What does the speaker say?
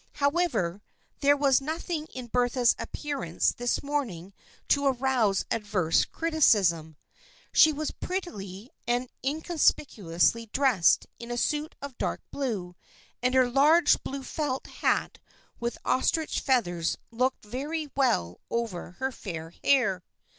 However, there was nothing in Bertha's appearance this morning to arouse adverse criticism. She was prettily and in conspicuously dressed in a suit of dark blue, and her large blue felt hat with ostrich feathers looked very well over her fair hair.